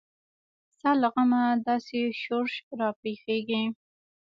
ستا له غمه داسې شورش راپېښیږي.